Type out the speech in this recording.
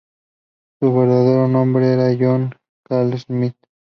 Su verdadero nombre era John Charles Smith.